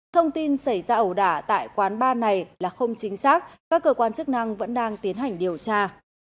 thông tin xảy ra ẩu đả tại quán bar này là không chính xác các cơ quan chức năng vẫn đang tiến hành điều tra